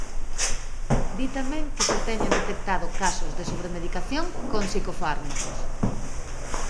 Di tamén que se teñen detectado casos de sobremedicación con psicofármacos.